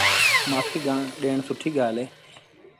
مآڦيٚ ڏيڻ سُٺيٚ ڳآل اهي۔